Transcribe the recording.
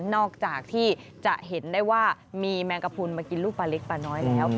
นอกจากที่จะเห็นได้ว่ามีแมงกระพุนมากินลูกปลาเล็กปลาน้อยแล้ว